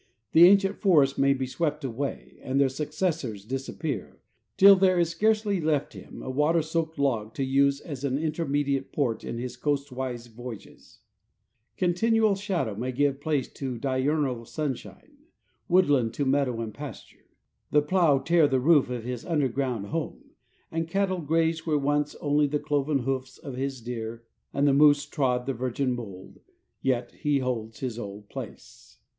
The ancient forests may be swept away and their successors disappear, till there is scarcely left him a watersoaked log to use as an intermediate port in his coastwise voyages; continual shadow may give place to diurnal sunshine, woodland to meadow and pasture, the plough tear the roof of his underground home, and cattle graze where once only the cloven hoofs of the deer and the moose trod the virgin mould, yet he holds his old place.